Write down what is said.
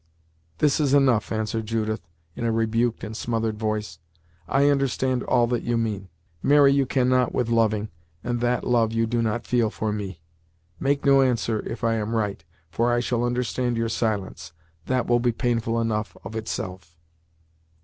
"This is enough!" answered Judith, in a rebuked and smothered voice. "I understand all that you mean. Marry you cannot with loving, and that love you do not feel for me. Make no answer, if I am right, for I shall understand your silence. That will be painful enough of itself."